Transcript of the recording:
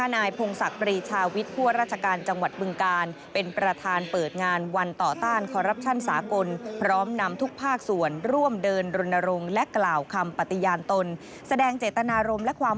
นายพงศักรีชาวิทธิ์ผู้ว่าราชการจังหวัดบึงการ